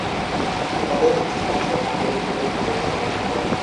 তবে মাঝে মাঝে পানির উপরে থেকে খাবার খায়।